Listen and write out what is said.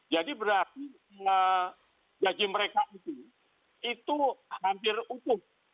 jadi berarti jaji mereka itu itu hampir utuh